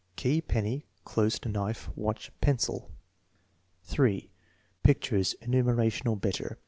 Key, penny, closed knife, watch, pencil. 3. Pictures, enumeration or better.